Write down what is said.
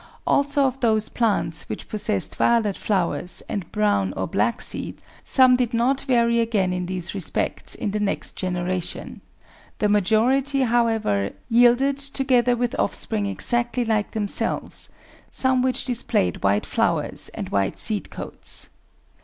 Also of those plants which possessed violet flowers and brown or black seed, some did not vary again in these respects in the next generation; the majority, how ever, yielded, together with offspring exactly like themselves, some which displayed white flowers and white seed coats.